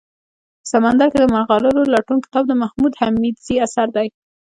په سمندر کي دملغلرولټون کتاب دمحمودحميدزي اثر دئ